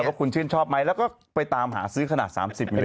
ว่าคุณชื่นชอบไหมแล้วก็ไปตามหาซื้อขนาด๓๐มิล